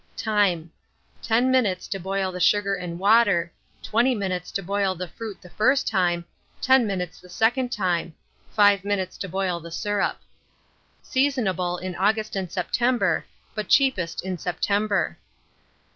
Time. 10 minutes to boil the sugar and water; 20 minutes to boil the fruit the first time, 10 minutes the second time; 5 minutes to boil the syrup. Seasonable in August and September, but cheapest in September.